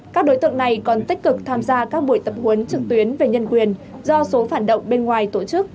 các đối tượng này còn tích cực tham gia các buổi tập huấn trực tuyến về nhân quyền do số phản động bên ngoài tổ chức